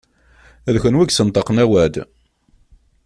D kunwi i yessenṭaqen awal.